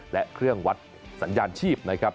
และเครื่องวัดสัญญาณชีพนะครับ